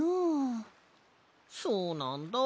そうなんだ。